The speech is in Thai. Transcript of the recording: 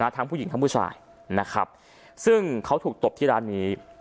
ทั้งผู้หญิงทั้งผู้ชายนะครับซึ่งเขาถูกตบที่ร้านนี้